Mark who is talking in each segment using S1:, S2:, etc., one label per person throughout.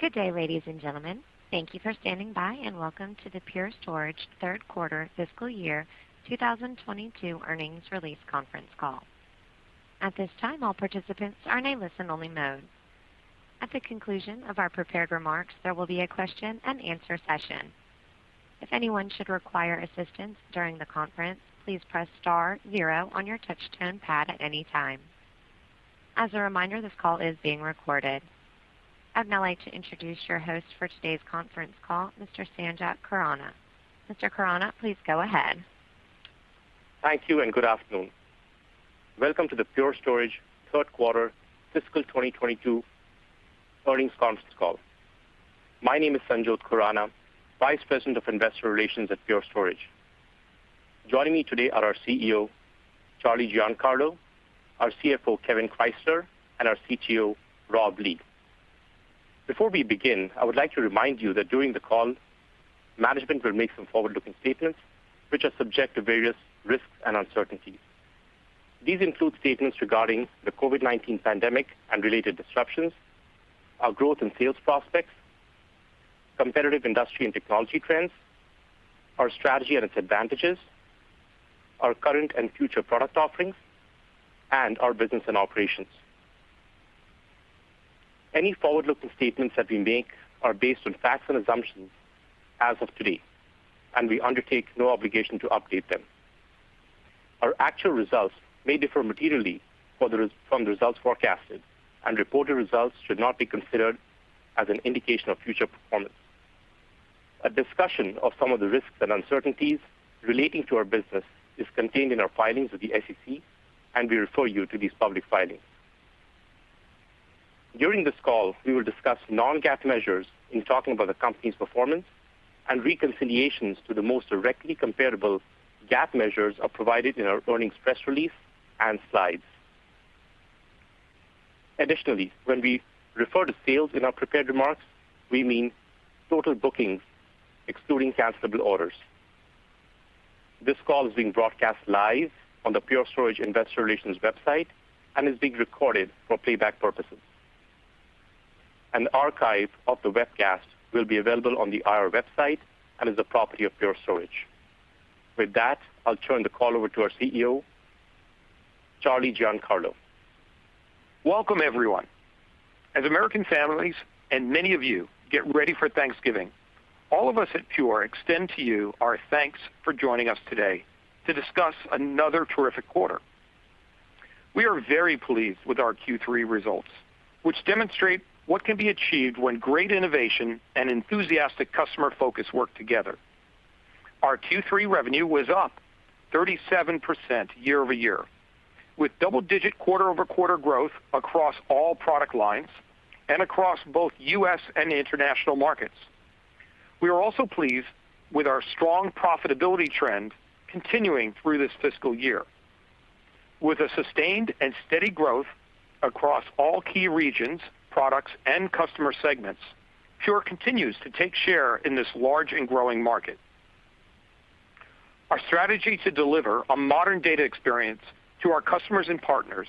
S1: Good day, ladies and gentlemen. Thank you for standing by and welcome to the Pure Storage third quarter fiscal year 2022 earnings release conference call. At this time, all participants are in a listen-only mode. At the conclusion of our prepared remarks, there will be a question and answer session. If anyone should require assistance during the conference, please press star zero on your touch tone pad at any time. As a reminder, this call is being recorded. I'd now like to introduce your host for today's conference call, Mr. Sanjot Khurana. Mr. Khurana, please go ahead.
S2: Thank you and good afternoon. Welcome to the Pure Storage third quarter fiscal 2022 earnings conference call. My name is Sanjot Khurana, Vice President of Investor Relations at Pure Storage. Joining me today are our CEO, Charlie Giancarlo, our CFO, Kevan Krysler, and our CTO, Rob Lee. Before we begin, I would like to remind you that during the call, management will make some forward-looking statements which are subject to various risks and uncertainties. These include statements regarding the COVID-19 pandemic and related disruptions, our growth in sales prospects, competitive industry and technology trends, our strategy and its advantages, our current and future product offerings, and our business and operations. Any forward-looking statements that we make are based on facts and assumptions as of today, and we undertake no obligation to update them. Our actual results may differ materially from the results forecasted, and reported results should not be considered as an indication of future performance. A discussion of some of the risks and uncertainties relating to our business is contained in our filings with the SEC, and we refer you to these public filings. During this call, we will discuss non-GAAP measures in talking about the company's performance and reconciliations to the most directly comparable GAAP measures are provided in our earnings press release and slides. Additionally, when we refer to sales in our prepared remarks, we mean total bookings excluding cancelable orders. This call is being broadcast live on the Pure Storage Investor Relations website and is being recorded for playback purposes. An archive of the webcast will be available on the IR website and is the property of Pure Storage. With that, I'll turn the call over to our CEO, Charlie Giancarlo.
S3: Welcome, everyone. As American families and many of you get ready for Thanksgiving, all of us at Pure extend to you our thanks for joining us today to discuss another terrific quarter. We are very pleased with our Q3 results, which demonstrate what can be achieved when great innovation and enthusiastic customer focus work together. Our Q3 revenue was up 37% year-over-year, with double-digit quarter-over-quarter growth across all product lines and across both U.S. and international markets. We are also pleased with our strong profitability trend continuing through this fiscal year. With a sustained and steady growth across all key regions, products, and customer segments, Pure continues to take share in this large and growing market. Our strategy to deliver a modern data experience to our customers and partners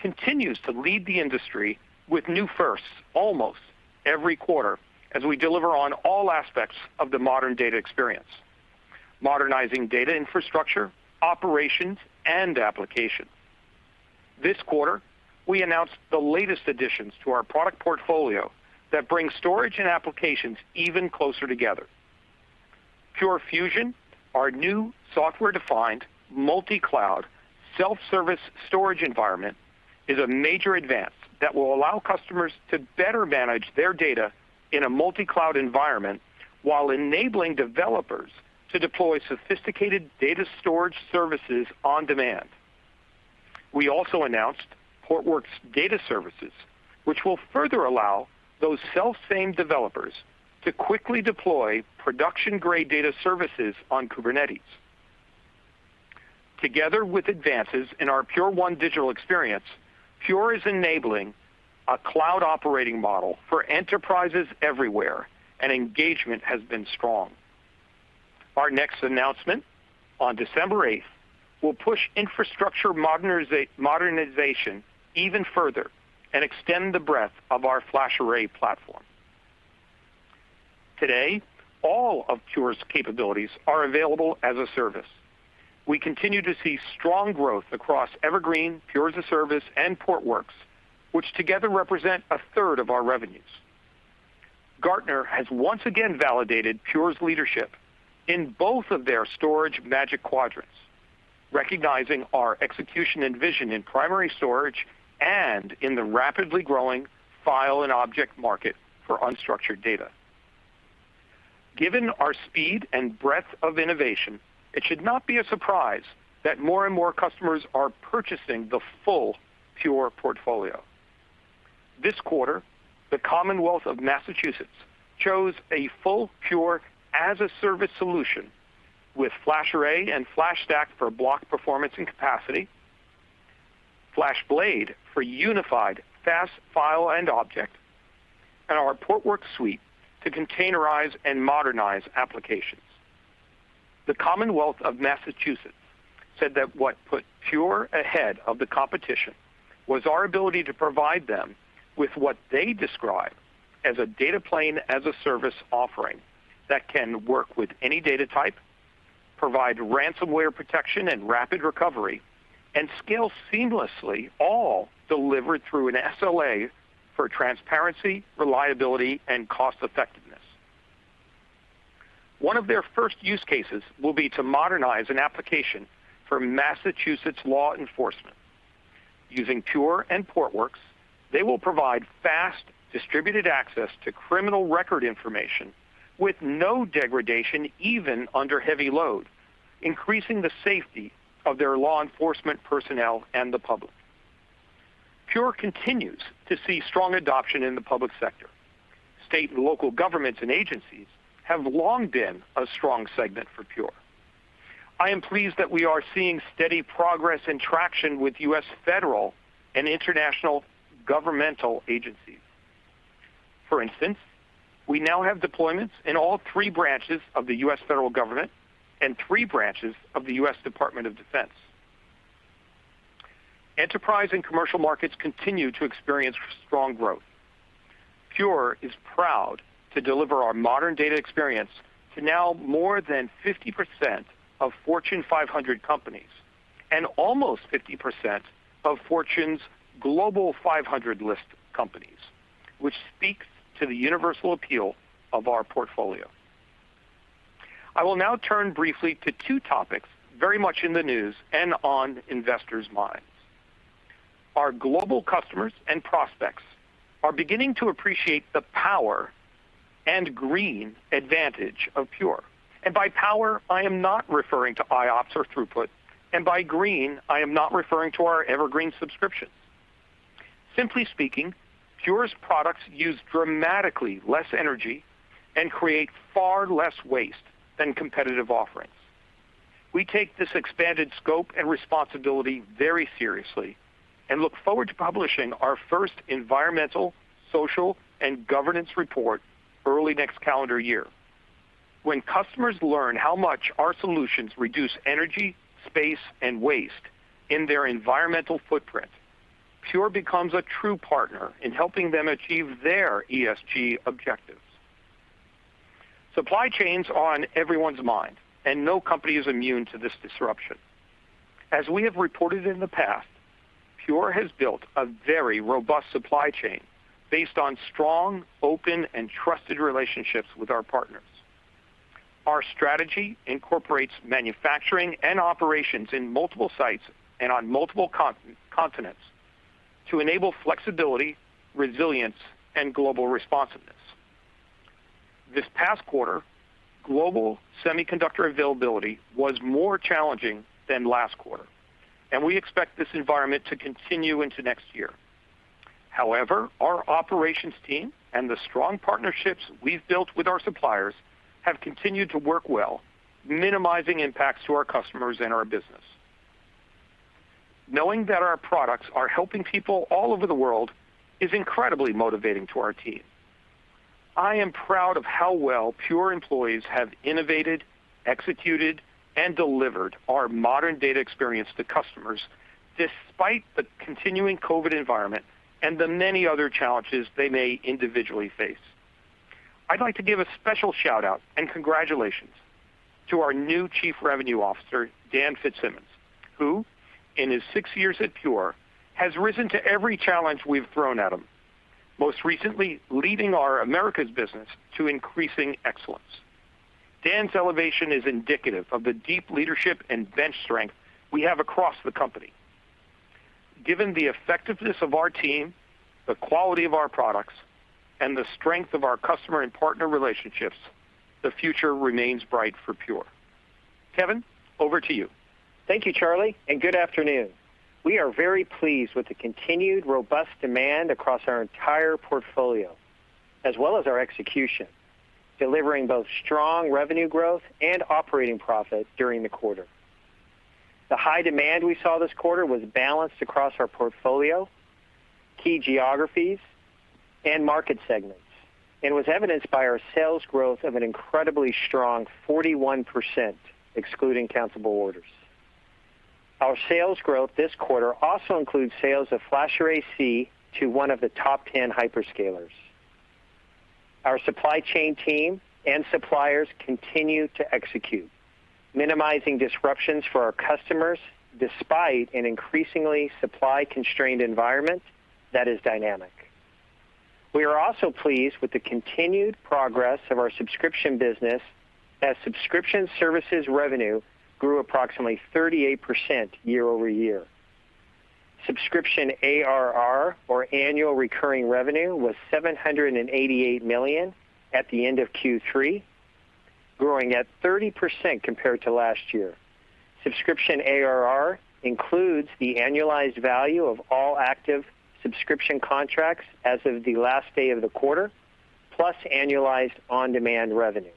S3: continues to lead the industry with new firsts almost every quarter as we deliver on all aspects of the modern data experience, modernizing data infrastructure, operations, and applications. This quarter, we announced the latest additions to our product portfolio that brings storage and applications even closer together. Pure Fusion, our new software-defined, multi-cloud, self-service storage environment, is a major advance that will allow customers to better manage their data in a multi-cloud environment while enabling developers to deploy sophisticated data storage services on demand. We also announced Portworx Data Services, which will further allow those self-same developers to quickly deploy production-grade data services on Kubernetes. Together with advances in our Pure1 digital experience, Pure is enabling a cloud operating model for enterprises everywhere, and engagement has been strong. Our next announcement on December eighth will push infrastructure modernization even further and extend the breadth of our FlashArray platform. Today, all of Pure's capabilities are available as a service. We continue to see strong growth across Evergreen, Pure as-a-Service, and Portworx, which together represent a third of our revenues. Gartner has once again validated Pure's leadership in both of their storage Magic Quadrants, recognizing our execution and vision in primary storage and in the rapidly growing file and object market for unstructured data. Given our speed and breadth of innovation, it should not be a surprise that more and more customers are purchasing the full Pure portfolio. This quarter, the Commonwealth of Massachusetts chose a full Pure as-a-Service solution with FlashArray and FlashStack for block performance and capacity, FlashBlade for unified fast file and object, and our Portworx suite to containerize and modernize applications. The Commonwealth of Massachusetts said that what put Pure ahead of the competition was our ability to provide them with what they describe as a data plane as a service offering that can work with any data type, provide ransomware protection and rapid recovery, and scale seamlessly, all delivered through an SLA for transparency, reliability, and cost effectiveness. One of their first use cases will be to modernize an application for Massachusetts law enforcement. Using Pure and Portworx, they will provide fast distributed access to criminal record information with no degradation, even under heavy load, increasing the safety of their law enforcement personnel and the public. Pure continues to see strong adoption in the public sector. State and local governments and agencies have long been a strong segment for Pure. I am pleased that we are seeing steady progress and traction with U.S. federal and international governmental agencies. For instance, we now have deployments in all three branches of the U.S. federal government and three branches of the U.S. Department of Defense. Enterprise and commercial markets continue to experience strong growth. Pure is proud to deliver our modern data experience to now more than 50% of Fortune 500 companies and almost 50% of Fortune Global 500 companies, which speaks to the universal appeal of our portfolio. I will now turn briefly to two topics very much in the news and on investors' minds. Our global customers and prospects are beginning to appreciate the power and green advantage of Pure. By power, I am not referring to IOPS or throughput. By green, I am not referring to our Evergreen subscriptions. Simply speaking, Pure's products use dramatically less energy and create far less waste than competitive offerings. We take this expanded scope and responsibility very seriously and look forward to publishing our first environmental, social, and governance report early next calendar year. When customers learn how much our solutions reduce energy, space, and waste in their environmental footprint, Pure becomes a true partner in helping them achieve their ESG objectives. Supply chain is on everyone's mind, and no company is immune to this disruption. As we have reported in the past, Pure has built a very robust supply chain based on strong, open, and trusted relationships with our partners. Our strategy incorporates manufacturing and operations in multiple sites and on multiple continents to enable flexibility, resilience, and global responsiveness. This past quarter, global semiconductor availability was more challenging than last quarter, and we expect this environment to continue into next year. However, our operations team and the strong partnerships we've built with our suppliers have continued to work well, minimizing impacts to our customers and our business. Knowing that our products are helping people all over the world is incredibly motivating to our team. I am proud of how well Pure employees have innovated, executed, and delivered our modern data experience to customers despite the continuing COVID environment and the many other challenges they may individually face. I'd like to give a special shout-out and congratulations to our new Chief Revenue Officer, Dan FitzSimons, who, in his six years at Pure, has risen to every challenge we've thrown at him, most recently leading our America's business to increasing excellence. Dan's elevation is indicative of the deep leadership and bench strength we have across the company. Given the effectiveness of our team, the quality of our products, and the strength of our customer and partner relationships, the future remains bright for Pure. Kevan, over to you.
S4: Thank you, Charlie, and good afternoon. We are very pleased with the continued robust demand across our entire portfolio, as well as our execution, delivering both strong revenue growth and operating profit during the quarter. The high demand we saw this quarter was balanced across our portfolio, key geographies, and market segments, and was evidenced by our sales growth of an incredibly strong 41%, excluding cancelable orders. Our sales growth this quarter also includes sales of FlashArray//C to one of the top ten hyperscalers. Our supply chain team and suppliers continue to execute, minimizing disruptions for our customers despite an increasingly supply-constrained environment that is dynamic. We are also pleased with the continued progress of our subscription business as subscription services revenue grew approximately 38% year-over-year. Subscription ARR, or annual recurring revenue, was $788 million at the end of Q3, growing 30% compared to last year. Subscription ARR includes the annualized value of all active subscription contracts as of the last day of the quarter, plus annualized on-demand revenue.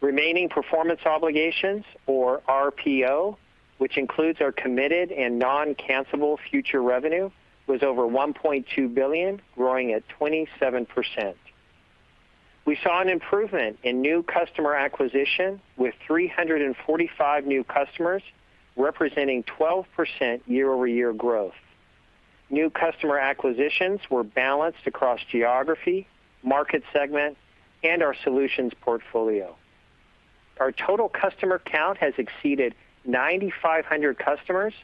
S4: Remaining performance obligations, or RPO, which includes our committed and non-cancelable future revenue, was over $1.2 billion, growing 27%. We saw an improvement in new customer acquisition with 345 new customers, representing 12% year-over-year growth. New customer acquisitions were balanced across geography, market segment, and our solutions portfolio. Our total customer count has exceeded 9,500 customers,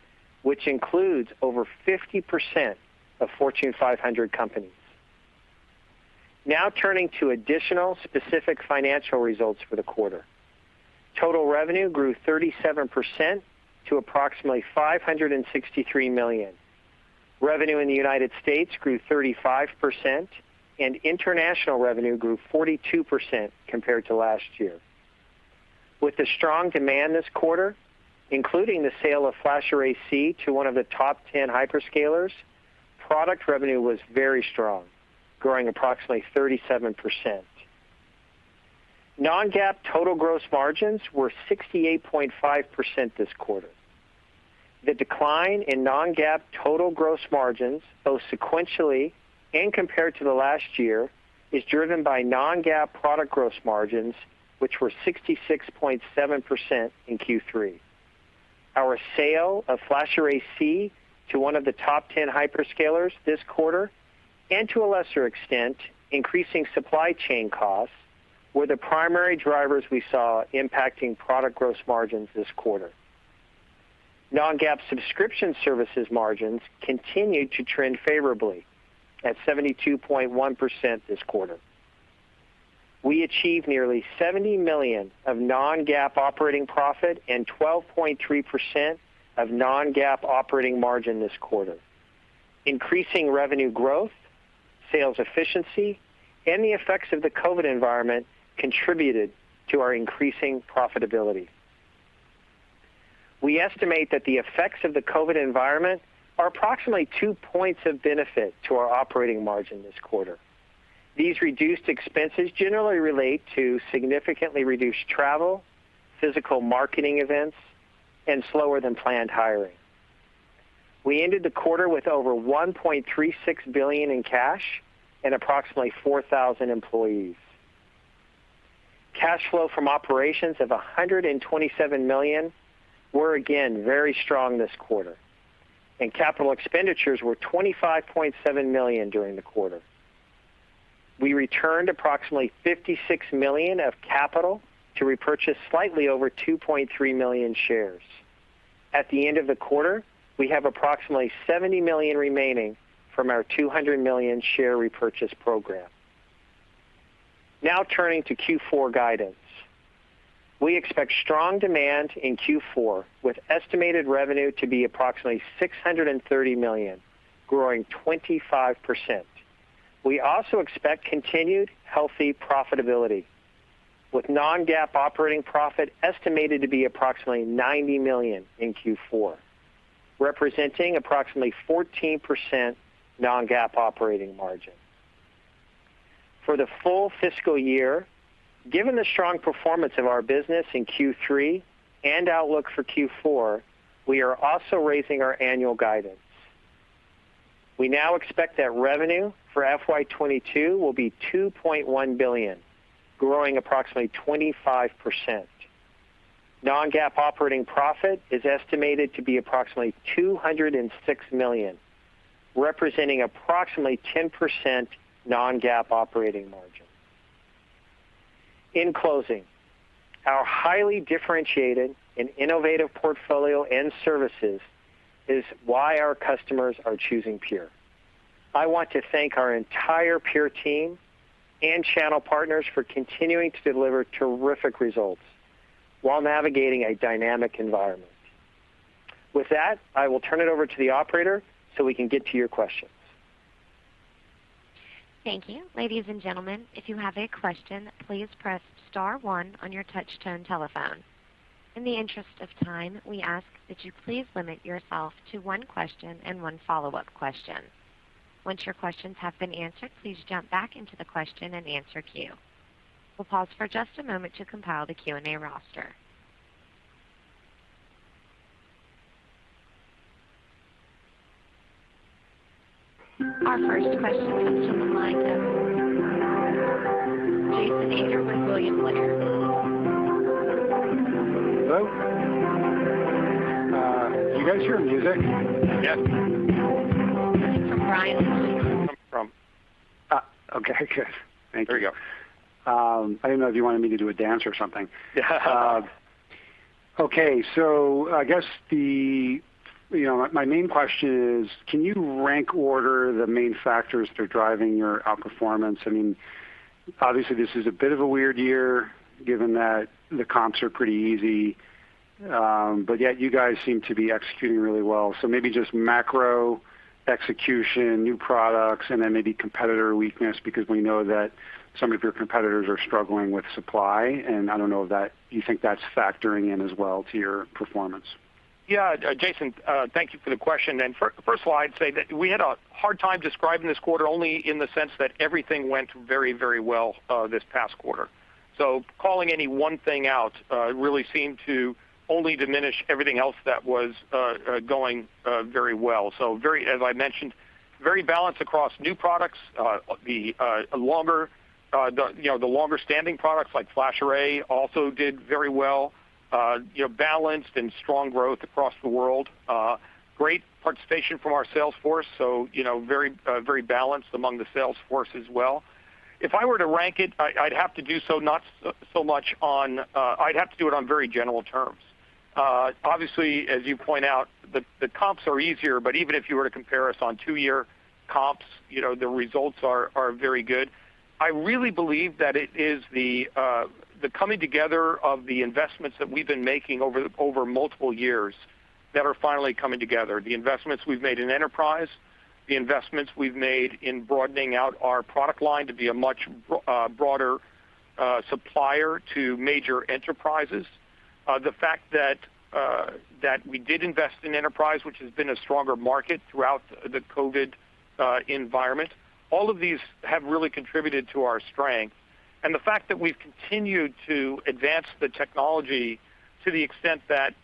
S4: which includes over 50% of Fortune 500 companies. Now turning to additional specific financial results for the quarter. Total revenue grew 37% to approximately $563 million. Revenue in the United States grew 35%, and international revenue grew 42% compared to last year. With the strong demand this quarter, including the sale of FlashArray//C to one of the top ten hyperscalers, product revenue was very strong, growing approximately 37%. non-GAAP total gross margins were 68.5% this quarter. The decline in non-GAAP total gross margins, both sequentially and compared to the last year, is driven by non-GAAP product gross margins, which were 66.7% in Q3. Our sale of FlashArray//C to one of the top ten hyperscalers this quarter, and to a lesser extent, increasing supply chain costs, were the primary drivers we saw impacting product gross margins this quarter. non-GAAP subscription services margins continued to trend favorably at 72.1% this quarter. We achieved nearly $70 million of non-GAAP operating profit and 12.3% of non-GAAP operating margin this quarter. Increasing revenue growth, sales efficiency, and the effects of the COVID environment contributed to our increasing profitability. We estimate that the effects of the COVID environment are approximately two points of benefit to our operating margin this quarter. These reduced expenses generally relate to significantly reduced travel, physical marketing events, and slower than planned hiring. We ended the quarter with over $1.36 billion in cash and approximately 4,000 employees. Cash flow from operations of $127 million were again very strong this quarter, and capital expenditures were $25.7 million during the quarter. We returned approximately $56 million of capital to repurchase slightly over 2.3 million shares. At the end of the quarter, we have approximately $70 million remaining from our $200 million share repurchase program. Now turning to Q4 guidance. We expect strong demand in Q4, with estimated revenue to be approximately $630 million, growing 25%. We also expect continued healthy profitability, with non-GAAP operating profit estimated to be approximately $90 million in Q4, representing approximately 14% non-GAAP operating margin. For the full fiscal year, given the strong performance of our business in Q3 and outlook for Q4, we are also raising our annual guidance. We now expect that revenue for FY 2022 will be $2.1 billion, growing approximately 25%. Non-GAAP operating profit is estimated to be approximately $206 million, representing approximately 10% non-GAAP operating margin. In closing, our highly differentiated and innovative portfolio and services is why our customers are choosing Pure. I want to thank our entire Pure team and channel partners for continuing to deliver terrific results while navigating a dynamic environment. With that, I will turn it over to the operator so we can get to your questions.
S1: Thank you. Ladies and gentlemen, if you have a question, please press star one on your touchtone telephone. In the interest of time, we ask that you please limit yourself to one question and one follow-up question. Once your questions have been answered, please jump back into the question and answer queue. We'll pause for just a moment to compile the Q&A roster. Our first question comes from the line of Jason Ader with William Blair.
S5: Hello? Do you guys hear music?
S4: Yes.
S5: Where's it coming from? Okay, good. Thank you.
S4: There you go.
S5: I didn't know if you wanted me to do a dance or something. Okay. I guess, you know, my main question is, can you rank order the main factors that are driving your outperformance? I mean, obviously this is a bit of a weird year given that the comps are pretty easy, but yet you guys seem to be executing really well. Maybe just macro execution, new products, and then maybe competitor weakness, because we know that some of your competitors are struggling with supply, and I don't know if that, you think that's factoring in as well to your performance.
S3: Yeah, Jason, thank you for the question. First of all, I'd say that we had a hard time describing this quarter only in the sense that everything went very, very well this past quarter. Calling any one thing out really seemed to only diminish everything else that was going very well. As I mentioned, very balanced across new products. You know, the longer standing products like FlashArray also did very well. You know, balanced and strong growth across the world. Great participation from our sales force. You know, very balanced among the sales force as well. If I were to rank it, I'd have to do it on very general terms. Obviously, as you point out, the comps are easier, but even if you were to compare us on two-year comps, you know, the results are very good. I really believe that it is the coming together of the investments that we've been making over multiple years that are finally coming together. The investments we've made in enterprise, the investments we've made in broadening out our product line to be a much broader supplier to major enterprises. The fact that we did invest in enterprise, which has been a stronger market throughout the COVID environment. All of these have really contributed to our strength. The fact that we've continued to advance the technology to the extent that,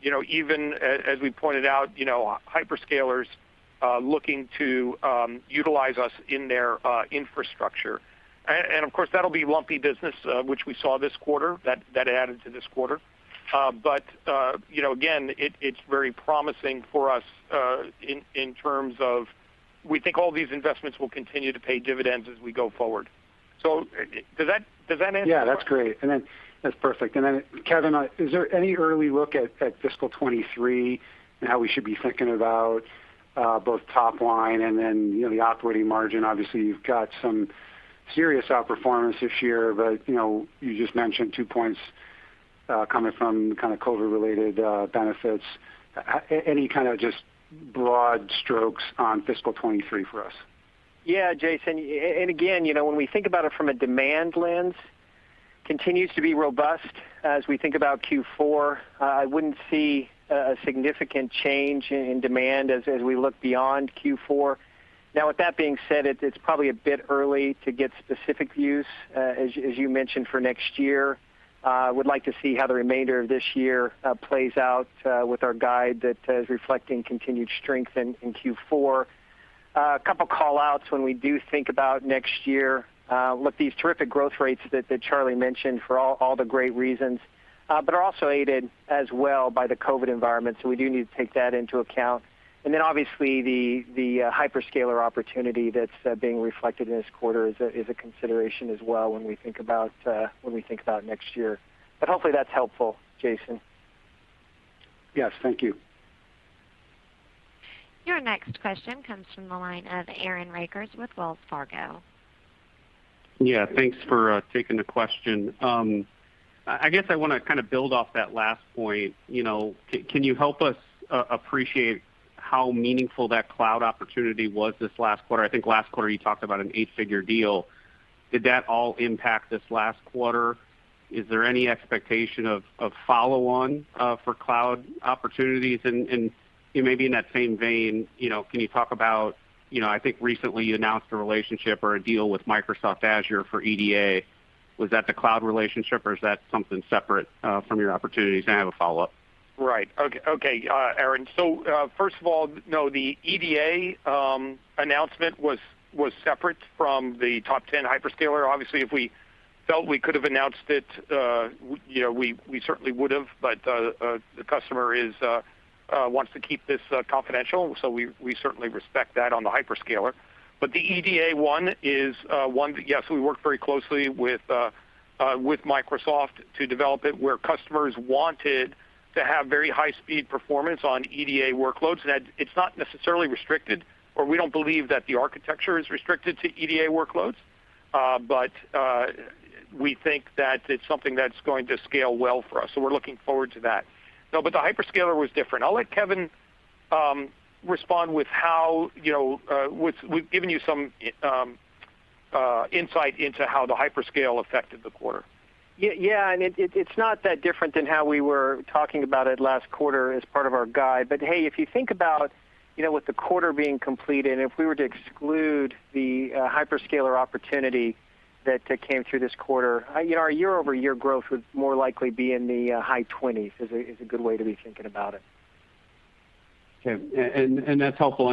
S3: you know, even as we pointed out, you know, hyperscalers looking to utilize us in their infrastructure. Of course, that'll be lumpy business, which we saw this quarter that added to this quarter. You know, again, it's very promising for us, in terms of we think all these investments will continue to pay dividends as we go forward. Does that answer your question?
S5: Yeah, that's great. That's perfect. Kevan, is there any early look at fiscal 2023 and how we should be thinking about both top line and then, you know, the operating margin? Obviously, you've got some serious outperformance this year, but, you know, you just mentioned two points coming from kind of COVID-related benefits. Any kind of just broad strokes on fiscal 2023 for us?
S4: Yeah, Jason. Again, you know, when we think about it from a demand lens, continues to be robust as we think about Q4. I wouldn't see a significant change in demand as we look beyond Q4. Now with that being said, it's probably a bit early to get specific views, as you mentioned for next year. I would like to see how the remainder of this year plays out, with our guide that is reflecting continued strength in Q4. A couple call-outs when we do think about next year. Look, these terrific growth rates that Charlie mentioned for all the great reasons, but are also aided as well by the COVID environment. We do need to take that into account. Obviously the hyperscaler opportunity that's being reflected in this quarter is a consideration as well when we think about next year. Hopefully that's helpful, Jason.
S5: Yes, thank you.
S1: Your next question comes from the line of Aaron Rakers with Wells Fargo.
S6: Yeah, thanks for taking the question. I guess I wanna kind of build off that last point. You know, can you help us appreciate how meaningful that cloud opportunity was this last quarter? I think last quarter you talked about an eight-figure deal. Did that all impact this last quarter? Is there any expectation of follow-on for cloud opportunities? And maybe in that same vein, you know, can you talk about, you know, I think recently you announced a relationship or a deal with Microsoft Azure for EDA. Was that the cloud relationship or is that something separate from your opportunities? I have a follow-up.
S3: Right. Okay, Aaron. First of all, no, the EDA announcement was separate from the top 10 hyperscaler. Obviously, if we felt we could have announced it, you know, we certainly would have, but the customer wants to keep this confidential, so we certainly respect that on the hyperscaler. The EDA one is, yes, we work very closely with Microsoft to develop it, where customers wanted to have very high-speed performance on EDA workloads. That it's not necessarily restricted, or we don't believe that the architecture is restricted to EDA workloads, but we think that it's something that's going to scale well for us. We're looking forward to that. No, the hyperscaler was different. I'll let Kevan respond with how, you know, we've given you some insight into how the hyperscale affected the quarter.
S4: Yeah. It’s not that different than how we were talking about it last quarter as part of our guide. Hey, if you think about, you know, with the quarter being completed, and if we were to exclude the hyperscaler opportunity that came through this quarter, you know, our year-over-year growth would more likely be in the high 20s%. That is a good way to be thinking about it.
S6: Okay. That's helpful.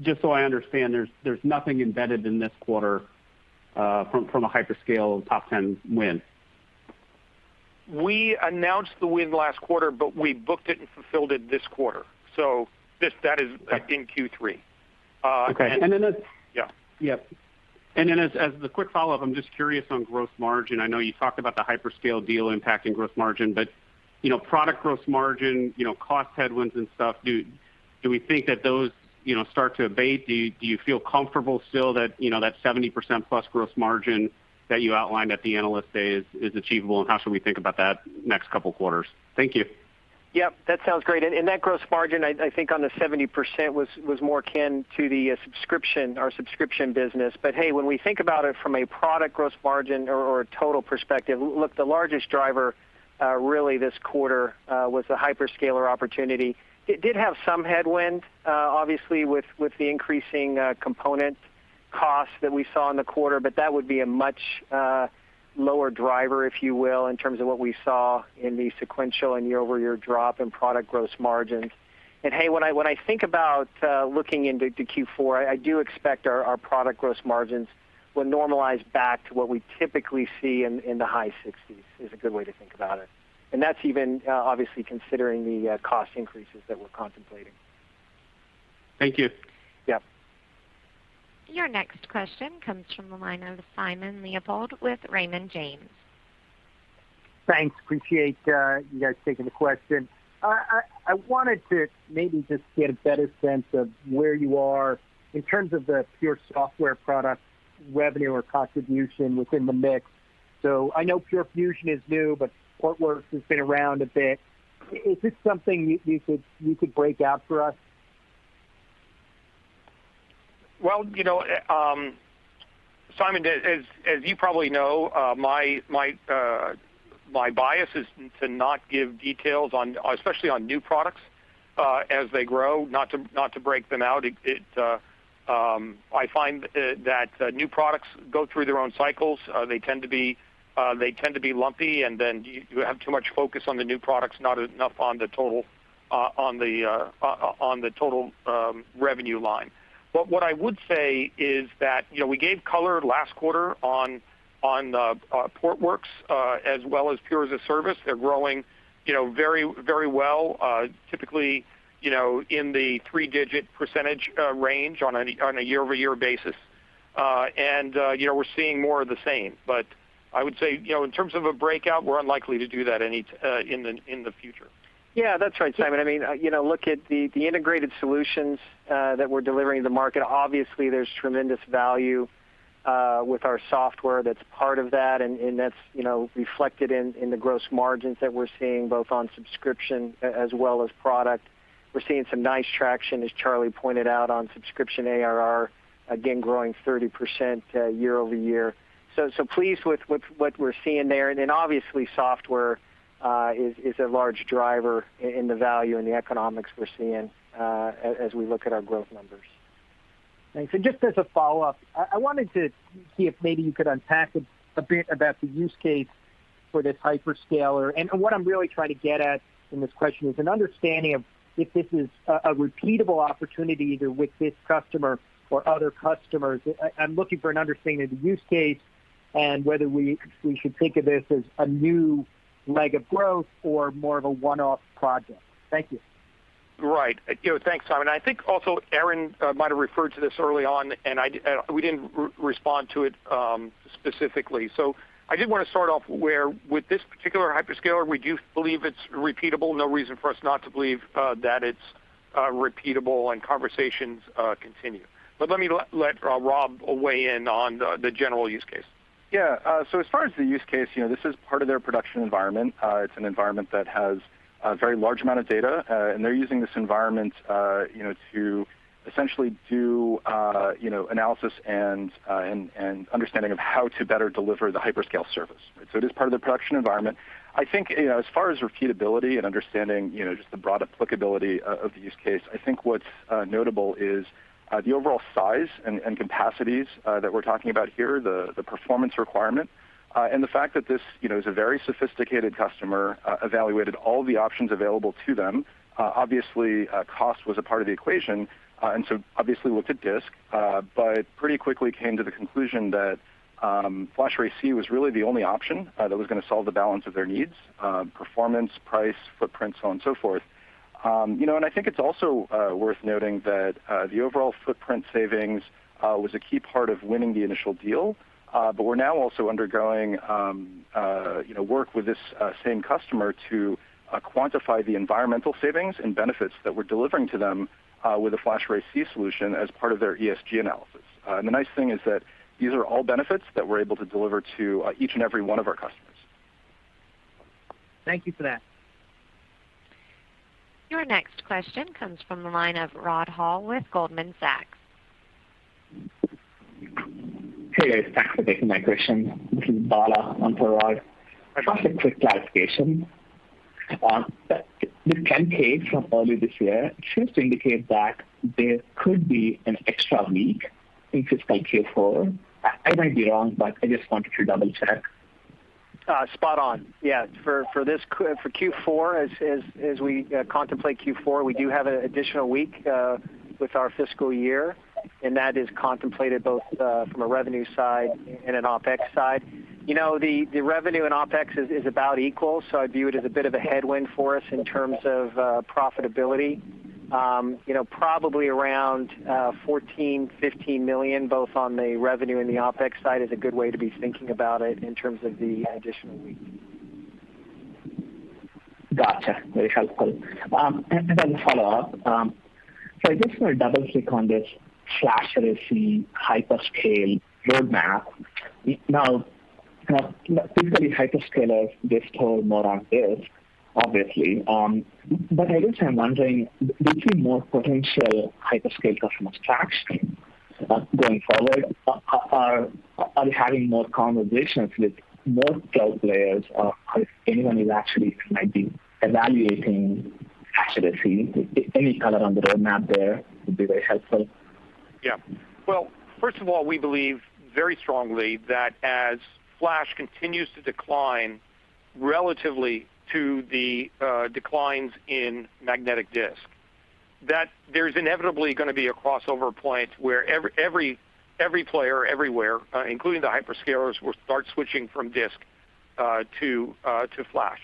S6: Just so I understand, there's nothing embedded in this quarter from a hyperscale top ten win.
S3: We announced the win last quarter, but we booked it and fulfilled it this quarter. That is in Q3.
S6: Okay.
S3: Yeah.
S6: Yeah. As the quick follow-up, I'm just curious on gross margin. I know you talked about the hyperscale deal impacting gross margin, but you know, product gross margin, you know, cost headwinds and stuff, do we think that those, you know, start to abate? Do you feel comfortable still that, you know, that 70%+ gross margin that you outlined at the Analyst Day is achievable, and how should we think about that next couple quarters? Thank you.
S4: Yeah, that sounds great. That gross margin, I think on the 70% was more akin to the subscription, our subscription business. Hey, when we think about it from a product gross margin or a total perspective, look, the largest driver really this quarter was the hyperscaler opportunity. It did have some headwind, obviously with the increasing component Costs that we saw in the quarter, but that would be a much lower driver, if you will, in terms of what we saw in the sequential and year-over-year drop in product gross margins. Hey, when I think about looking into Q4, I do expect our product gross margins will normalize back to what we typically see in the high 60s%, is a good way to think about it. That's even obviously considering the cost increases that we're contemplating.
S6: Thank you.
S3: Yeah.
S1: Your next question comes from the line of Simon Leopold with Raymond James.
S7: Thanks. I appreciate you guys taking the question. I wanted to maybe just get a better sense of where you are in terms of the Pure Software product revenue or contribution within the mix. I know Pure Fusion is new, but Portworx has been around a bit. Is this something you could break out for us?
S3: Well, you know, Simon, as you probably know, my bias is to not give details on, especially on new products, as they grow, not to break them out. I find that new products go through their own cycles. They tend to be lumpy, and then you have too much focus on the new products, not enough on the total revenue line. What I would say is that, you know, we gave color last quarter on Portworx as well as Pure as-a-Service. They're growing, you know, very well, typically, you know, in the three-digit percentage range on a year-over-year basis. You know, we're seeing more of the same. I would say, you know, in terms of a breakout, we're unlikely to do that in the future.
S4: Yeah, that's right, Simon. I mean, you know, look at the integrated solutions that we're delivering to the market. Obviously, there's tremendous value with our software that's part of that, and that's, you know, reflected in the gross margins that we're seeing both on subscription as well as product. We're seeing some nice traction, as Charlie pointed out, on subscription ARR, again, growing 30% year-over-year. Pleased with what we're seeing there. Obviously software is a large driver in the value and the economics we're seeing as we look at our growth numbers.
S7: Thanks. Just as a follow-up, I wanted to see if maybe you could unpack a bit about the use case for this hyperscaler. What I'm really trying to get at in this question is an understanding of if this is a repeatable opportunity either with this customer or other customers. I'm looking for an understanding of the use case and whether we should think of this as a new leg of growth or more of a one-off project. Thank you.
S3: Right. You know, thanks, Simon. I think also Aaron might have referred to this early on, and we didn't respond to it specifically. I did want to start off with this particular hyperscaler, we do believe it's repeatable. No reason for us not to believe that it's repeatable and conversations continue. But let me Rob weigh in on the general use case.
S8: Yeah. As far as the use case, you know, this is part of their production environment. It's an environment that has a very large amount of data, and they're using this environment, you know, to essentially do, you know, analysis and understanding of how to better deliver the hyperscale service. It is part of their production environment. I think, you know, as far as repeatability and understanding, you know, just the broad applicability of the use case, I think what's notable is the overall size and capacities that we're talking about here, the performance requirement, and the fact that this, you know, is a very sophisticated customer evaluated all the options available to them. Obviously, cost was a part of the equation, and so obviously looked at disk, but pretty quickly came to the conclusion that FlashArray//C was really the only option that was gonna solve the balance of their needs, performance, price, footprint, so on and so forth. You know, I think it's also worth noting that the overall footprint savings was a key part of winning the initial deal, but we're now also undergoing, you know, work with this same customer to quantify the environmental savings and benefits that we're delivering to them with a FlashArray//C solution as part of their ESG analysis. The nice thing is that these are all benefits that we're able to deliver to each and every one of our customers.
S7: Thank you for that.
S1: Your next question comes from the line of Rod Hall with Goldman Sachs.
S9: Hey, guys. Thanks for taking my question. This is Bala on for Rod. I just have a quick clarification on the 10-K from earlier this year, which seems to indicate that there could be an extra week in fiscal Q4. I might be wrong, but I just wanted to double-check.
S4: Spot on. Yeah. For Q4, as we contemplate Q4, we do have an additional week with our fiscal year, and that is contemplated both from a revenue side and an OpEx side. You know, the revenue and OpEx is about equal, so I view it as a bit of a headwind for us in terms of profitability. You know, probably around $14 million-$15 million, both on the revenue and the OpEx side is a good way to be thinking about it in terms of the additional week.
S9: Gotcha. Very helpful. Then follow-up. I just want to double-click on this FlashArray//C hyperscale roadmap. Now, typically hyperscalers, they store more on disk, obviously. I guess I'm wondering, do you see more potential hyperscale customers traction going forward? Are you having more conversations with more cloud players? Has anyone who actually might be evaluating- Actually, any color on the roadmap there would be very helpful.
S3: Yeah. Well, first of all, we believe very strongly that as flash continues to decline relative to the declines in magnetic disk, that there's inevitably gonna be a crossover point where every player everywhere, including the hyperscalers, will start switching from disk to flash.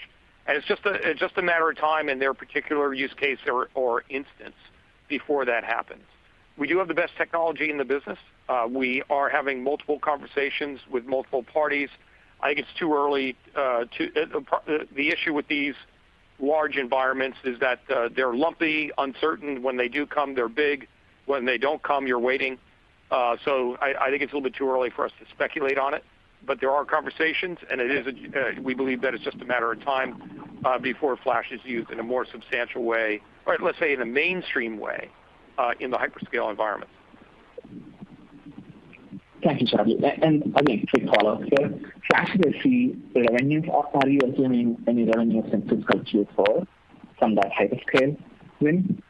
S3: It's just a matter of time in their particular use case or instance before that happens. We do have the best technology in the business. We are having multiple conversations with multiple parties. I think it's too early. The issue with these large environments is that they're lumpy, uncertain. When they do come, they're big. When they don't come, you're waiting. I think it's a little bit too early for us to speculate on it. There are conversations, and it is a given, we believe that it's just a matter of time before flash is used in a more substantial way, or let's say in a mainstream way, in the hyperscale environment.
S9: Thank you, Charlie. I think to follow up there, FlashArray//C revenues, are you assuming any revenue from fiscal Q4 from that hyperscale win?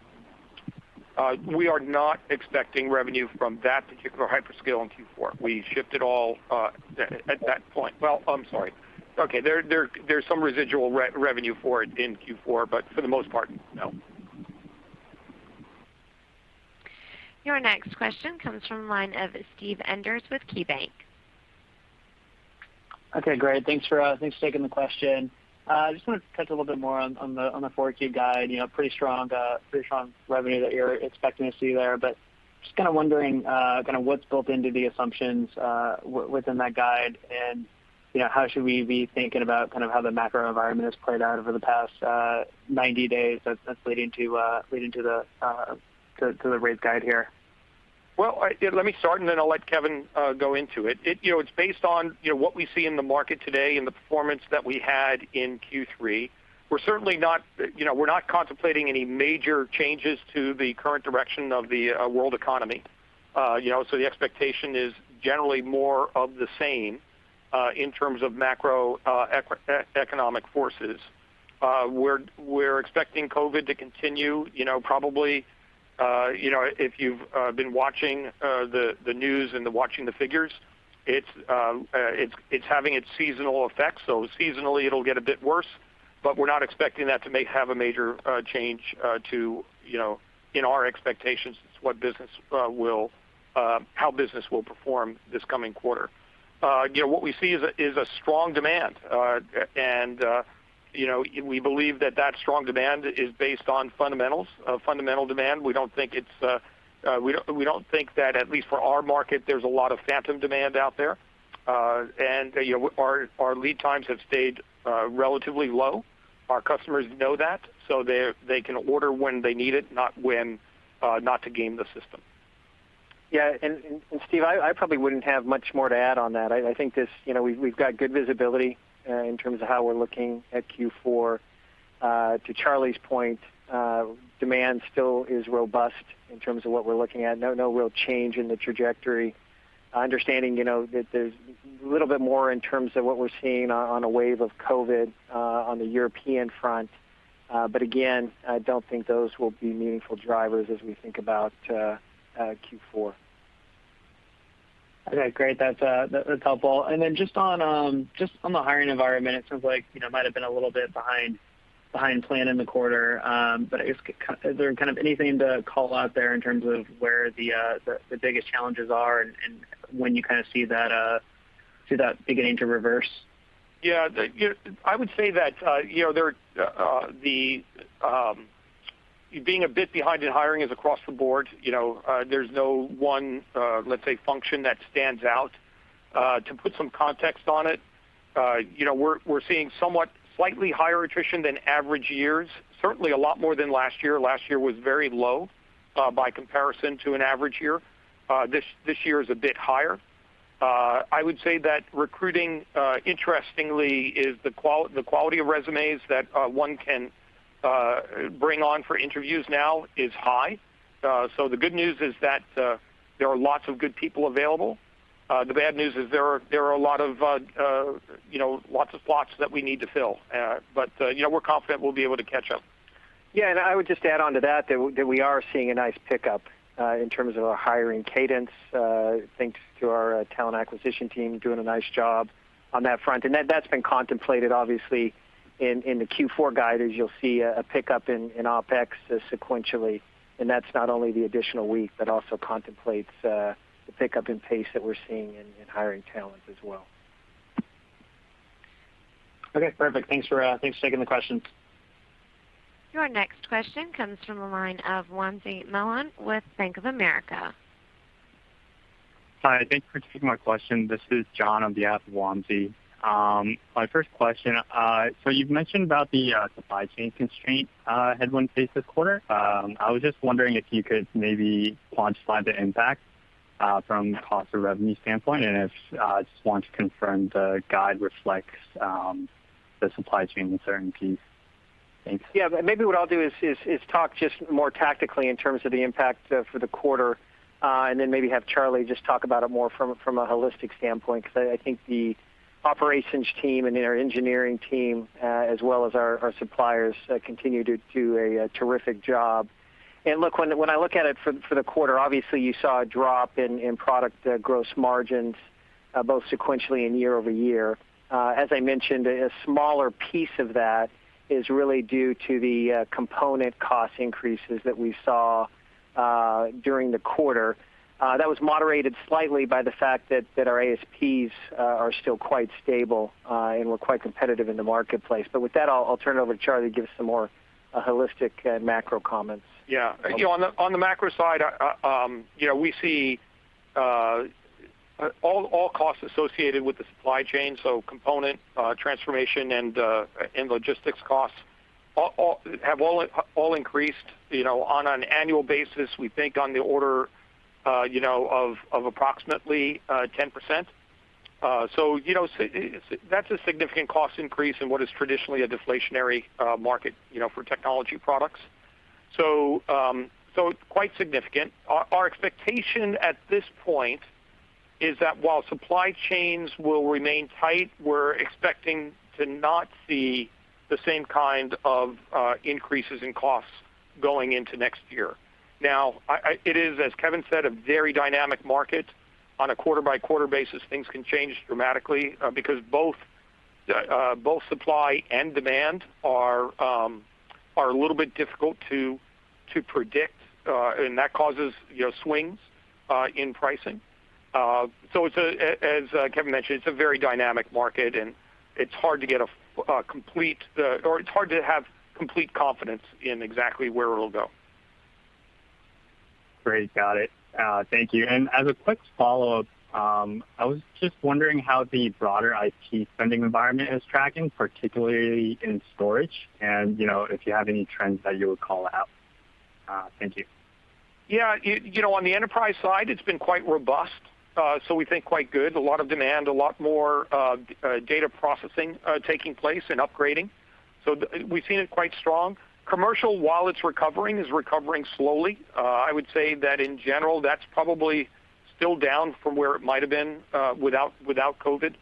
S3: We are not expecting revenue from that particular hyperscale in Q4. We shipped it all at that point. Well, I'm sorry. Okay. There, there's some residual revenue for it in Q4, but for the most part, no.
S1: Your next question comes from the line of Steve Enders with KeyBanc.
S10: Okay, great. Thanks for taking the question. I just wanted to touch a little bit more on the 4Q guide. You know, pretty strong revenue that you're expecting to see there. Just kinda wondering what's built into the assumptions within that guide, and you know, how should we be thinking about kind of how the macro environment has played out over the past 90 days that's leading to the raised guide here?
S3: Well, yeah, let me start, and then I'll let Kevan go into it. It you know it's based on you know what we see in the market today and the performance that we had in Q3. We're certainly not you know we're not contemplating any major changes to the current direction of the world economy. You know the expectation is generally more of the same in terms of macro economic forces. We're expecting COVID to continue you know probably you know if you've been watching the news and watching the figures it's having its seasonal effects. Seasonally it'll get a bit worse, but we're not expecting that to make a major change to you know in our expectations as to how business will perform this coming quarter. You know, what we see is a strong demand. And you know we believe that that strong demand is based on fundamental demand. We don't think that at least for our market, there's a lot of phantom demand out there. And you know, our lead times have stayed relatively low. Our customers know that, so they can order when they need it, not to game the system.
S4: Yeah. Steve, I probably wouldn't have much more to add on that. I think this, you know, we've got good visibility in terms of how we're looking at Q4. To Charlie's point, demand still is robust in terms of what we're looking at. No real change in the trajectory. Understanding, you know, that there's little bit more in terms of what we're seeing on a wave of COVID on the European front. Again, I don't think those will be meaningful drivers as we think about Q4.
S10: Okay, great. That's helpful. Just on the hiring environment, it seems like might have been a little bit behind plan in the quarter. I guess is there kind of anything to call out there in terms of where the biggest challenges are and when you kind of see that beginning to reverse?
S3: Yeah. You know, I would say that being a bit behind in hiring is across the board. You know, there's no one, let's say, function that stands out. To put some context on it, you know, we're seeing somewhat slightly higher attrition than average years, certainly a lot more than last year. Last year was very low by comparison to an average year. This year is a bit higher. I would say that recruiting interestingly is the quality of resumes that one can bring on for interviews now is high. The good news is that there are lots of good people available. The bad news is there are a lot of, you know, lots of spots that we need to fill. You know, we're confident we'll be able to catch up.
S4: Yeah. I would just add on to that we are seeing a nice pickup in terms of our hiring cadence, thanks to our talent acquisition team doing a nice job on that front. That's been contemplated obviously in the Q4 guide, as you'll see a pickup in OpEx sequentially. That's not only the additional week, but also contemplates the pickup in pace that we're seeing in hiring talent as well.
S10: Okay, perfect. Thanks for taking the questions.
S1: Your next question comes from the line of Wamsi Mohan with Bank of America.
S11: Hi. Thank you for taking my question. This is John on behalf of Wamsi. My first question, you've mentioned about the supply chain constraint headwinds faced this quarter. I was just wondering if you could maybe quantify the impact from cost of revenue standpoint, and I just want to confirm the guide reflects the supply chain uncertainties. Thanks.
S4: Yeah. Maybe what I'll do is talk just more tactically in terms of the impact for the quarter, and then maybe have Charlie just talk about it more from a holistic standpoint. 'Cause I think the operations team and our engineering team, as well as our suppliers, continue to do a terrific job. Look, when I look at it for the quarter, obviously you saw a drop in product gross margins, both sequentially and year-over-year. As I mentioned, a smaller piece of that is really due to the component cost increases that we saw during the quarter. That was moderated slightly by the fact that our ASPs are still quite stable, and we're quite competitive in the marketplace. With that, I'll turn it over to Charlie to give us some more holistic macro comments.
S3: Yeah. You know, on the macro side, you know, we see all costs associated with the supply chain, so component transformation and logistics costs have all in all increased, you know, on an annual basis. We think on the order, you know, of approximately 10%. That's a significant cost increase in what is traditionally a deflationary market, you know, for technology products. It's quite significant. Our expectation at this point is that while supply chains will remain tight, we're expecting to not see the same kind of increases in costs going into next year. Now it is, as Kevan said, a very dynamic market. On a quarter-by-quarter basis, things can change dramatically, because both supply and demand are a little bit difficult to predict, and that causes, you know, swings in pricing. It's as Kevan mentioned, it's a very dynamic market, and it's hard to have complete confidence in exactly where it'll go.
S11: Great. Got it. Thank you. As a quick follow-up, I was just wondering how the broader IT spending environment is tracking, particularly in storage, and, you know, if you have any trends that you would call out. Thank you.
S3: You know, on the enterprise side, it's been quite robust. We think quite good. A lot of demand, a lot more data processing taking place and upgrading. We've seen it quite strong. Commercial, while it's recovering, is recovering slowly. I would say that in general, that's probably still down from where it might have been without COVID.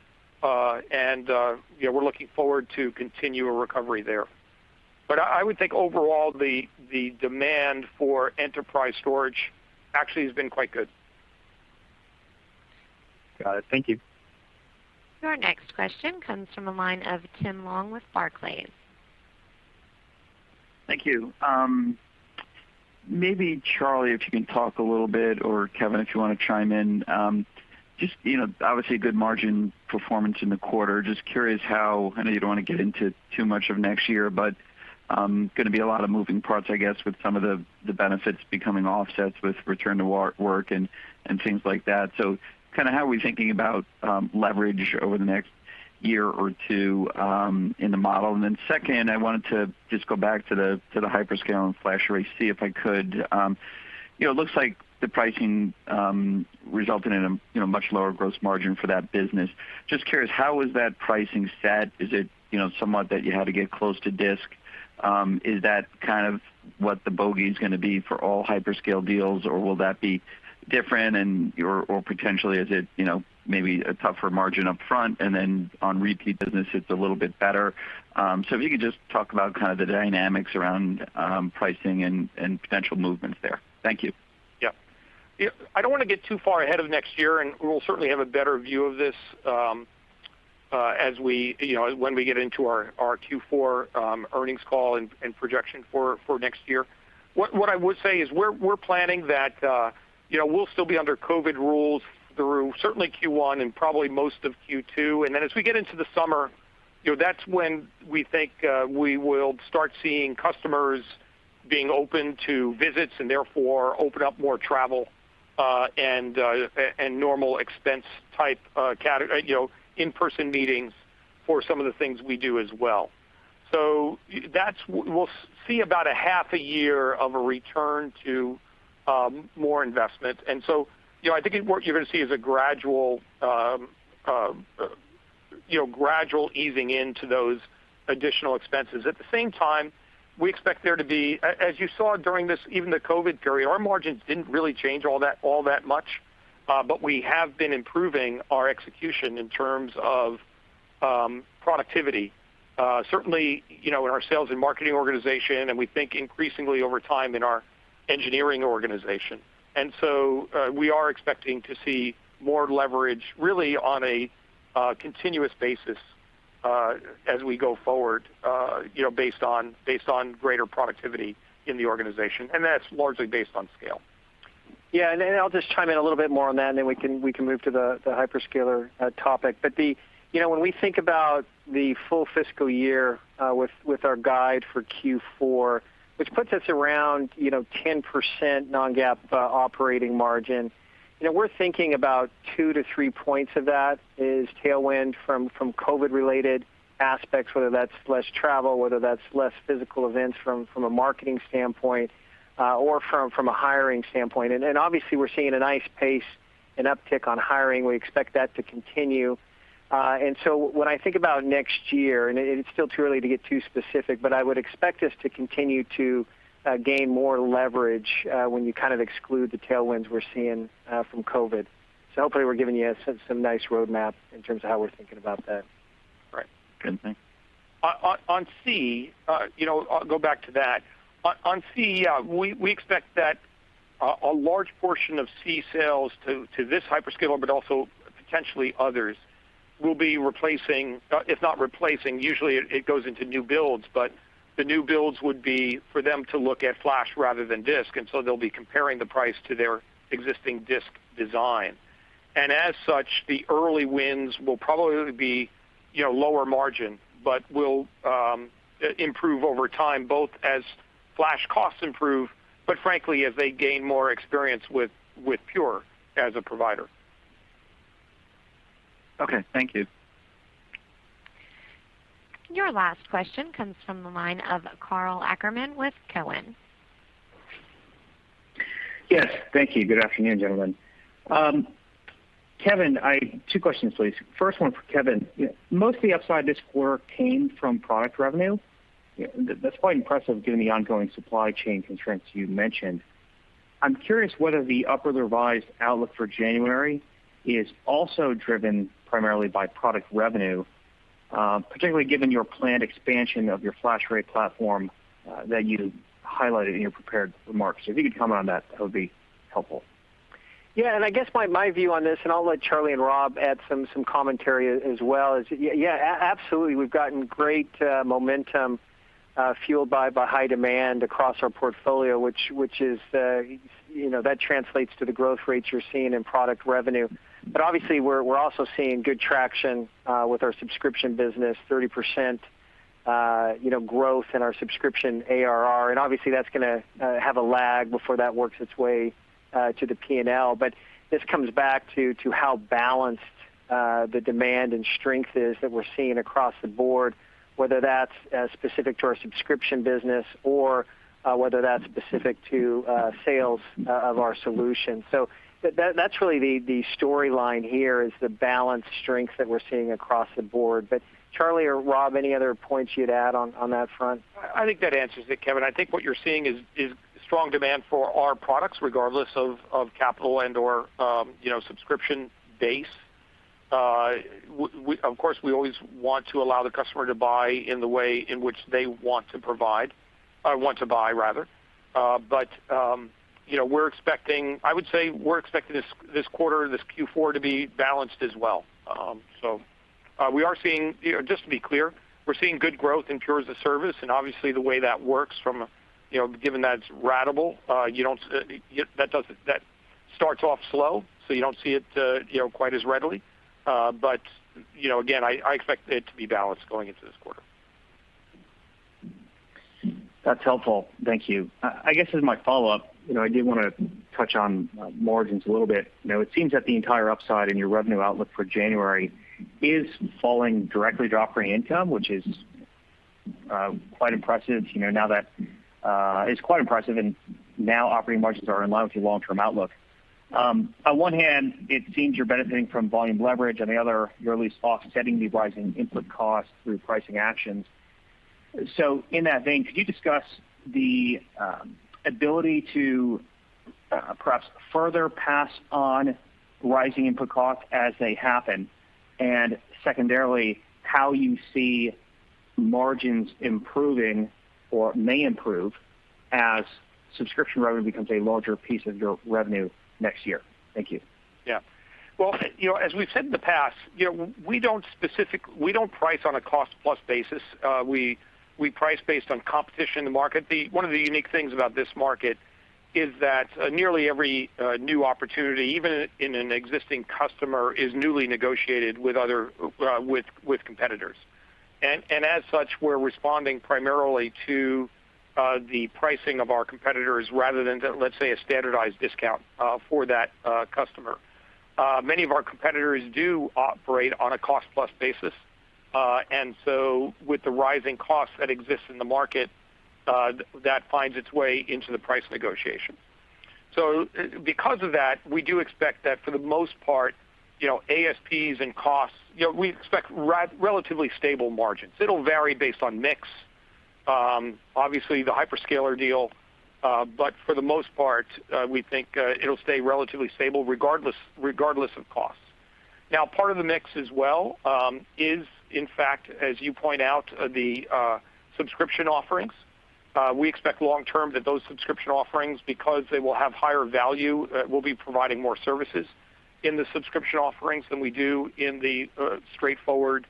S3: We're looking forward to continual recovery there. I would think overall, the demand for enterprise storage actually has been quite good.
S11: Got it. Thank you.
S1: Your next question comes from the line of Tim Long with Barclays.
S12: Thank you. Maybe Charlie, if you can talk a little bit, or Kevan, if you want to chime in, just, you know, obviously a good margin performance in the quarter. Just curious how, I know you don't want to get into too much of next year, but going to be a lot of moving parts, I guess, with some of the benefits becoming offsets with return to work and things like that. So kind of how are we thinking about leverage over the next year or two in the model? And then second, I wanted to just go back to the hyperscale and FlashArray, see if I could. You know, it looks like the pricing resulted in a much lower gross margin for that business. Just curious, how is that pricing set? Is it, you know, somewhat that you had to get close to disk? Is that kind of what the bogey is going to be for all hyperscale deals, or will that be different, or potentially is it, you know, maybe a tougher margin up front and then on repeat business it's a little bit better? If you could just talk about kind of the dynamics around pricing and potential movements there. Thank you.
S3: Yeah. I don't want to get too far ahead of next year, and we'll certainly have a better view of this, as we, you know, when we get into our Q4 earnings call and projection for next year. What I would say is we're planning that, you know, we'll still be under COVID rules through certainly Q1 and probably most of Q2. As we get into the summer, you know, that's when we think we will start seeing customers being open to visits and therefore open up more travel and normal expense type you know in-person meetings for some of the things we do as well. That's. We'll see about a half a year of a return to more investment. You know, I think what you're going to see is a gradual, you know, gradual easing into those additional expenses. At the same time, we expect there to be, as you saw during this, even the COVID period, our margins didn't really change all that much. We have been improving our execution in terms of, productivity, certainly, you know, in our sales and marketing organization, and we think increasingly over time in our engineering organization. We are expecting to see more leverage really on a, continuous basis, as we go forward, you know, based on greater productivity in the organization, and that's largely based on scale.
S4: Yeah. I'll just chime in a little bit more on that, and then we can move to the hyperscaler topic. You know, when we think about the full fiscal year, with our guide for Q4, which puts us around, you know, 10% non-GAAP operating margin, you know, we're thinking about 2-3 points of that is tailwind from COVID-19-related aspects, whether that's less travel, whether that's less physical events from a marketing standpoint, or from a hiring standpoint. Obviously we're seeing a nice pace and uptick on hiring. We expect that to continue. When I think about next year, and it's still too early to get too specific, but I would expect us to continue to gain more leverage when you kind of exclude the tailwinds we're seeing from COVID. Hopefully we're giving you some nice roadmap in terms of how we're thinking about that.
S12: Right. Good. Thanks.
S3: On C, you know, I'll go back to that. On C, yeah, we expect that a large portion of C sales to this hyperscaler, but also potentially others, will be replacing if not replacing. Usually it goes into new builds, but the new builds would be for them to look at flash rather than disk, and so they'll be comparing the price to their existing disk design. As such, the early wins will probably be, you know, lower margin, but will improve over time, both as flash costs improve, but frankly, as they gain more experience with Pure as a provider.
S12: Okay, thank you.
S1: Your last question comes from the line of Karl Ackerman with Cowen.
S13: Yes. Thank you. Good afternoon, gentlemen. Kevan, I have two questions, please. First one for Kevan. Most of the upside this quarter came from product revenue. That's quite impressive given the ongoing supply chain constraints you mentioned. I'm curious whether the up-revised outlook for January is also driven primarily by product revenue, particularly given your planned expansion of your FlashArray platform, that you highlighted in your prepared remarks. If you could comment on that would be helpful.
S4: Yeah. I guess my view on this, and I'll let Charlie and Rob add some commentary as well, is yeah, absolutely. We've gotten great momentum fueled by high demand across our portfolio, which is, you know, that translates to the growth rates you're seeing in product revenue. But obviously, we're also seeing good traction with our subscription business, 30% growth in our subscription ARR. And obviously, that's going to have a lag before that works its way to the P&L. But this comes back to how balanced the demand and strength is that we're seeing across the board, whether that's specific to our subscription business or whether that's specific to sales of our solution. So that's really the storyline here is the balanced strength that we're seeing across the board. Charlie or Rob, any other points you'd add on that front?
S3: I think that answers it, Kevan. I think what you're seeing is strong demand for our products, regardless of capital and/or, you know, subscription base. Of course, we always want to allow the customer to buy in the way in which they want to buy rather. You know, I would say we're expecting this quarter, Q4 to be balanced as well. So we are seeing, you know, just to be clear, we're seeing good growth in Pure as-a-Service, and obviously the way that works, you know, given that it's ratable, that starts off slow, so you don't see it quite as readily. You know, again, I expect it to be balanced going into this quarter.
S13: That's helpful. Thank you. I guess as my follow-up, you know, I did want to touch on margins a little bit. You know, it seems that the entire upside in your revenue outlook for January is falling directly to operating income, which is quite impressive, and now operating margins are in line with your long-term outlook. On one hand, it seems you're benefiting from volume leverage. On the other, you're at least offsetting the rising input costs through pricing actions. In that vein, could you discuss the ability to perhaps further pass on rising input costs as they happen? And secondarily, how you see margins improving or may improve as subscription revenue becomes a larger piece of your revenue next year. Thank you.
S3: Yeah. Well, you know, as we've said in the past, you know, we don't price on a cost plus basis. We price based on competition in the market. One of the unique things about this market is that nearly every new opportunity, even in an existing customer, is newly negotiated with other competitors. As such, we're responding primarily to the pricing of our competitors rather than to, let's say, a standardized discount for that customer. Many of our competitors do operate on a cost plus basis, and so with the rising costs that exist in the market, that finds its way into the price negotiation. Because of that, we do expect that for the most part, you know, ASPs and costs, you know, we expect relatively stable margins. It'll vary based on mix, obviously the hyperscaler deal, but for the most part, we think it'll stay relatively stable regardless of costs. Now, part of the mix as well is, in fact, as you point out, the subscription offerings. We expect long term that those subscription offerings, because they will have higher value, we'll be providing more services in the subscription offerings than we do in the straightforward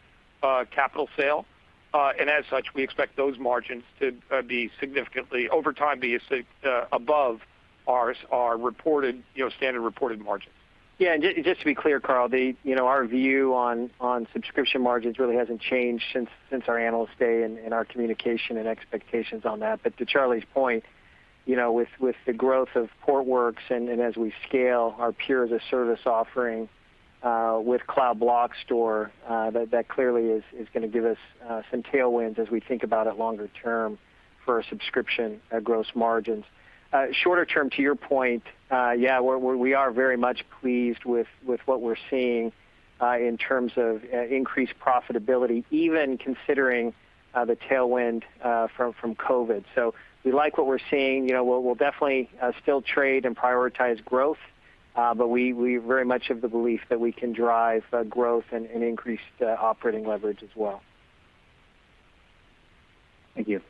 S3: capital sale. As such, we expect those margins to be significantly over time to be above ours, our reported, you know, standard reported margins.
S4: Yeah. Just to be clear, Karl, you know, our view on subscription margins really hasn't changed since our Analyst Day and our communication and expectations on that. To Charlie's point, you know, with the growth of Portworx and as we scale our Pure as-a-Service offering with Cloud Block Store, that clearly is going to give us some tailwinds as we think about it longer term for subscription gross margins. Shorter term, to your point, yeah, we are very much pleased with what we're seeing in terms of increased profitability, even considering the tailwind from COVID. We like what we're seeing. You know, we'll definitely still trade and prioritize growth, but we very much have the belief that we can drive growth and increase operating leverage as well.
S13: Thank you.